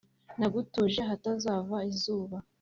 Nagutuje ahatava izuba,